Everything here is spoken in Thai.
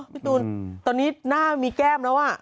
พี่ตูนตอนนี้หน้ามีแก้มแล้วอ่ะ